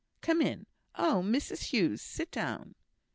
Come in! Oh! Mrs Hughes! Sit down."